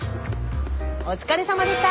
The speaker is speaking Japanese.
お疲れさまでした！